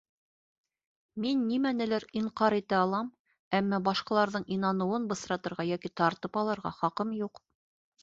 Мин нимәнелер инҡар итә алам, әммә башҡаларҙың инаныуын бысратырға йәки тартып алырға хаҡым юҡ.